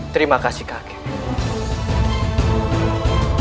terima kasih kakek